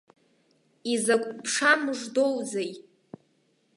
Изакә ԥша мыждоузеи.